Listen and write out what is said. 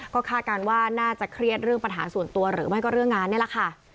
ก็คาดการณ์ว่าน่าจะเครียดเรื่องปัญหาส่วนตัวหรือไม่ก็เรื่องงานนี่แหละค่ะ